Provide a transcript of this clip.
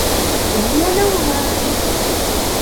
وَهِيَ نَوْعَانِ